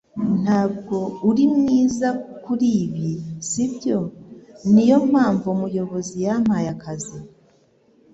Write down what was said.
Ntabwo uri mwiza kuri ibi, si byo?" "Niyo mpamvu umuyobozi yampaye akazi."